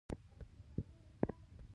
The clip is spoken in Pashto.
آیا جوار ډیرو اوبو ته اړتیا لري؟